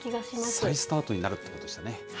再スタートになるということですね。